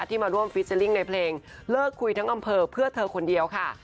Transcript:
มาร่วมฟิเจอร์ลิ่งในเพลงเลิกคุยทั้งอำเภอเพื่อเธอคนเดียวค่ะ